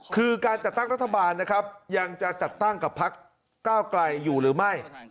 คือการจัดตั้งรัฐบาลนะครับยังจะจัดตั้งกับพักก้าวไกลอยู่หรือไม่